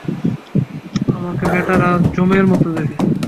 আমাকে বেটারা যমের মত দেখে।